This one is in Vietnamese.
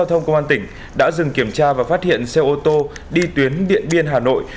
lực lượng công an huyện mai sơn đã dừng kiểm tra và phát hiện xe ô tô đi tuyến điện biên hà nội